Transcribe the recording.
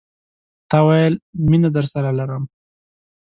تا ویل، میینه درسره لرم